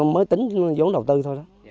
mới tính với dốn đầu tư thôi đó